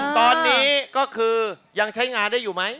ตอนนี้ก็คือยังใช้งานได้อยู่ไหม